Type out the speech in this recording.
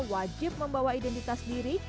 wajib membawa identitas diri